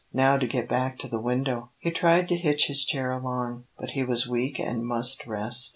Now to get back to the window. He tried to hitch his chair along, but he was weak and must rest.